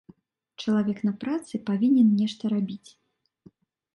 Чалавек на працы павінен нешта рабіць.